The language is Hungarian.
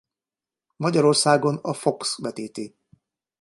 Magyarországon a Fox vetíti.